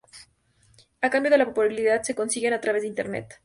a cambio de la popularidad que consiguen a través de Internet